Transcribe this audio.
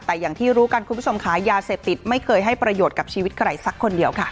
แต่อย่างที่รู้กันคุณผู้ชมค่ะยาเสพติดไม่เคยให้ประโยชน์กับชีวิตใครสักคนเดียวค่ะ